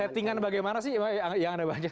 settingan bagaimana sih yang ada banyak